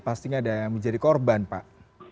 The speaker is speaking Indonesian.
pastinya ada yang menjadi korban pak